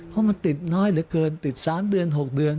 เพราะมันติดน้อยเหลือเกินติด๓เดือน๖เดือน